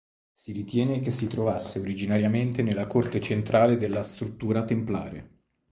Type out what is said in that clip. Si ritiene che si trovasse originariamente nella corte centrale della struttura templare.